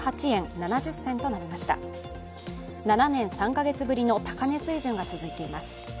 ７年３カ月ぶりの高値水準が続いています。